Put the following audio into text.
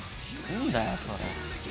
んだよそれ。